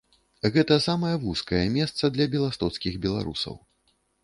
Гэта самае вузкае месца для беластоцкіх беларусаў.